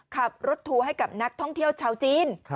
ขับรถทัวร์ให้กับนักท่องเที่ยวชาวจีน